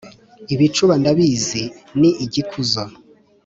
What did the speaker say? Ibicuba ndabizi ni igikuzo,